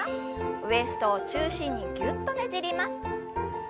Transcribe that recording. ウエストを中心にぎゅっとねじります。